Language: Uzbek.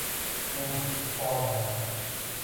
Men bormayman